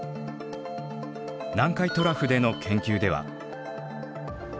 南海トラフでの研究では。